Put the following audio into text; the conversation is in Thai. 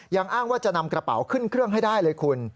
ยังอ้างว่าจะนำกระเป๋าขึ้นเครื่องให้ได้เลยคุณ